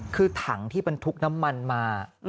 คือถังที่บรรทุกน้ำมันมา